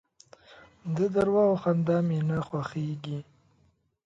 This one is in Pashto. د درواغو خندا مي نه خوښېږي .